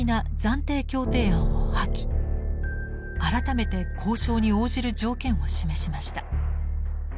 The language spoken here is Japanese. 改めて交渉に応じる条件を示しました。